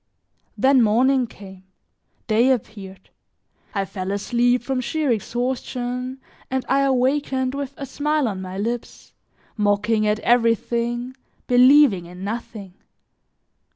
Then morning came; day appeared; I fell asleep from sheer exhaustion, and I awakened with a smile on my lips, mocking at everything, believing in nothing.